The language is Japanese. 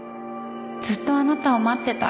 ずっとあなたを待ってた。